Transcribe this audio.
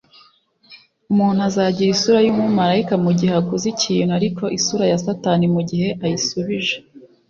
Umuntu azagira isura yumumarayika mugihe aguza ikintu, ariko isura ya satani mugihe ayisubije.